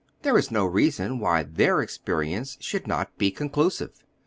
There is no reason why their experience should not be conclusive.